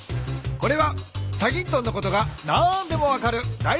これは『チャギントン』のことが何でも分かるだい